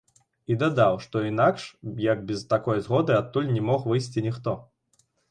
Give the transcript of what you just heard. І дадаў, што інакш як без такой згоды адтуль не мог выйсці ніхто.